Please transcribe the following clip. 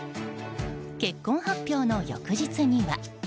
結婚発表の翌日には。